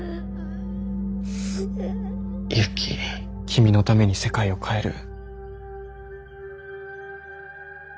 君のために世界を変える。